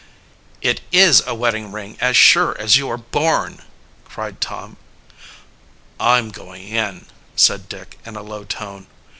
"It is a wedding ring, as sure as you are born!" cried Tom. "I'm going in," said Dick in a low tone.